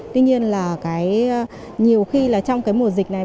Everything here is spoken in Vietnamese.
tuy nhiên nhiều khi trong mùa dịch này